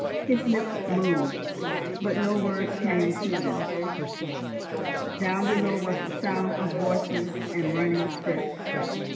His lips moved, but no words came to them. Down below was the sound of voices and running steps.